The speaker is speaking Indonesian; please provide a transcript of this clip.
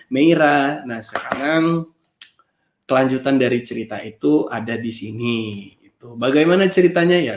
meira nah sekarang kelanjutan dari cerita itu ada di sini itu bagaimana ceritanya ya